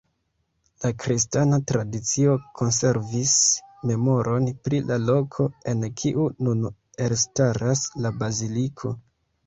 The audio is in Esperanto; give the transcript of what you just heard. La kristana tradicio konservis memoron pri la loko, en kiu nun elstaras la Baziliko.